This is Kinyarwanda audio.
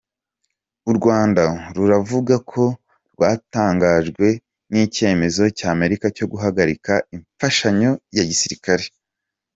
U Rwanda ruravuga ko rwatangajwe n’icyemezo cy’Amerika cyo guhagarika imfashanyo ya gisirikare.